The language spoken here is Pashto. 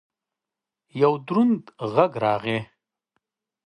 یو دروند غږ راغی!